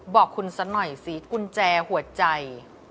บอกคุณซะหน่อยสิกุญแจหัวใจ